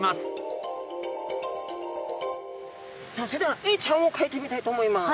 さあそれではエイちゃんをかいてみたいと思います。